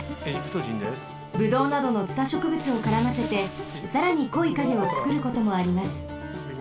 ブドウなどのツタしょくぶつをからませてさらにこいカゲをつくることもあります。